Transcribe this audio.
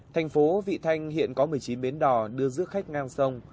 thành phố vị thanh hiện có một mươi chín bến đỏ đưa dưới khách ngang sông